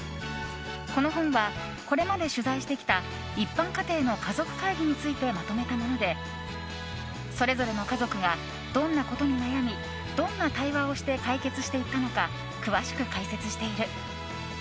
この本はこれまで取材してきた一般家庭のかぞくかいぎについてまとめたものでそれぞれの家族がどんなことに悩みどんな会話をして解決していくのか詳しく解説している。